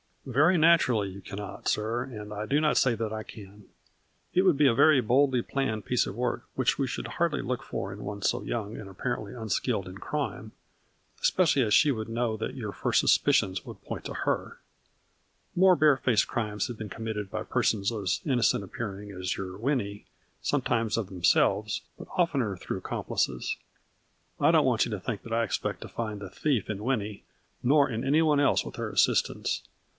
" Very naturally you cannot, sir, and I do not say that I can. It would be a very boldly planned piece of work which we should hardly look for in one so young and apparently un skilled in crime, especially as she would know that your first suspicions would point to her. 36 A FLU HUY IN DIAMONDS. More bare faced crimes have been committed by persons as innocent appearing as your Winnie, sometimes of themselves, but oftener through accomplices. I don't want you to think that I expect to find the thief in Winnie, nor in any one else with her assistance.